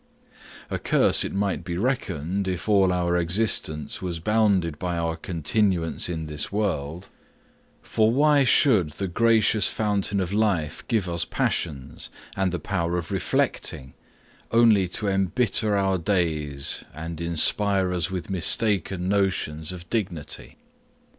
A curse it might be reckoned, if all our existence was bounded by our continuance in this world; for why should the gracious fountain of life give us passions, and the power of reflecting, only to embitter our days, and inspire us with mistaken notions of dignity?